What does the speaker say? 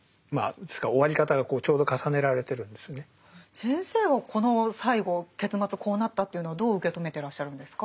先生はこの最後結末こうなったっていうのはどう受け止めてらっしゃるんですか？